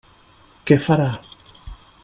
Què farà?